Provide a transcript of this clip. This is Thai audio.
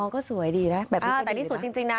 อ๋อก็สวยดีแต่นี้สวดจริงนะ